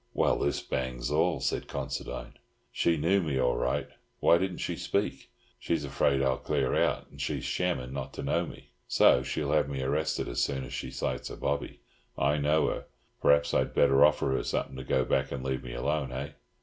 "Well, this bangs all," said Considine. "She knew me all right. Why didn't she speak? She's afraid I'll clear out, and she's shammin' not to know me, so's she'll have me arrested as soon as she sights a bobby. I know her. Perhaps I'd better offer her something to go back and leave me alone, hey?"